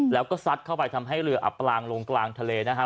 แล้วก็ซัดเข้าไปทำให้เรืออับปลางลงกลางทะเลนะฮะ